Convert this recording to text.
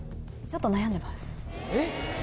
ちょっと悩んでます・えっ？